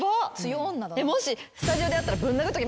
もし。